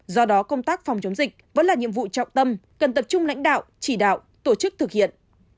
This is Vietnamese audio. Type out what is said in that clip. do đó công tác phòng chống dịch vẫn là nhiệm vụ trọng tâm cần tập trung lãnh đạo chỉ đạo tổ chức thực hiện